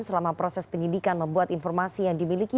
selama proses penyidikan membuat informasi yang dimiliki